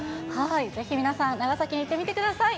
ぜひ皆さん、長崎に行ってみてください。